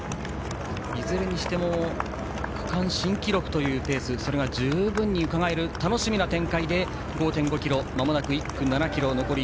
いずれにしても区間新記録というペースそれが十分にうかがえる楽しみな展開で５．５ｋｍです。